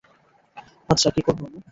আচ্ছা, কি করব আমি?